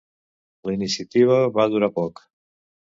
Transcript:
La iniciativa va durar poc.